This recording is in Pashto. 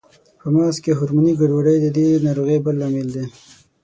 په مغز کې هورموني ګډوډۍ د دې ناروغۍ بل لامل دی.